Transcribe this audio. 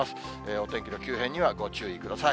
お天気の急変にはご注意ください。